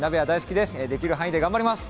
できる範囲で頑張ります。